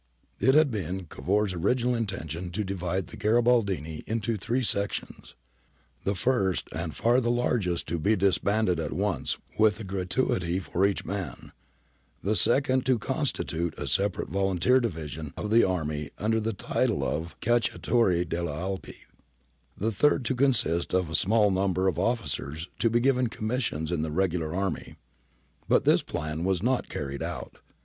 ^ It had been Cavour's original intention to divide the Garibaldini into three sections : the first and far the largest to be disbanded at once with a gratuity for each man ; the second to constitute a separate volunteer division of the army under the title of Cacciatori delle Alpi ; the third to consist of a small number of officers to be given commissions in the regular army.' But this plan was not carried out.